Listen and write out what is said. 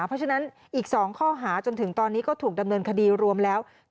เพราะฉะนั้นอีก๒ข้อหาจนถึงตอนนี้ก็ถูกดำเนินคดีรวมแล้ว